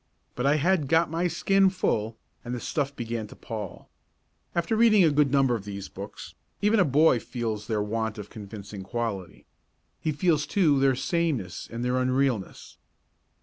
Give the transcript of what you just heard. But I had "got my skin full" and the stuff began to pall. After reading a good number of these books, even a boy feels their want of the convincing quality. He feels, too, their sameness and their unrealness.